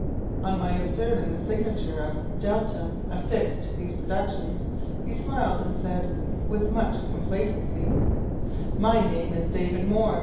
On my observing the signature of Delta affixed to these productions, he smiled, and said, with much complacency, "My name is David Moir."